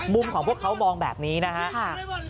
ของพวกเขามองแบบนี้นะครับ